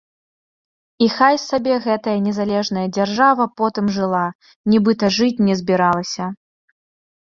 І хай сабе гэтая незалежная дзяржава потым жыла, нібыта жыць не збіралася.